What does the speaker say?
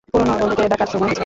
পুরনো বন্ধুকে ডাকার সময় হয়েছে।